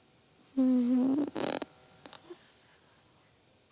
うん。